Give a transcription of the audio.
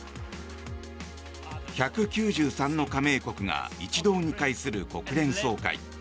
１９３の加盟国が一堂に会する国連総会。